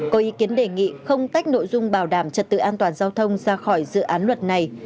có ý kiến đề nghị không tách nội dung bảo đảm trật tự an toàn giao thông ra khỏi dự án luật này